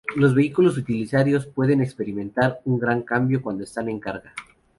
Los vehículos utilitarios pueden experimentar un gran cambio cuando están en carga.